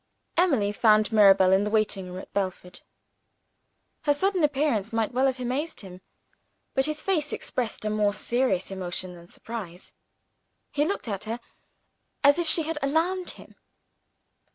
Emily found Mirabel in the waiting room at Belford. Her sudden appearance might well have amazed him; but his face expressed a more serious emotion than surprise he looked at her as if she had alarmed him.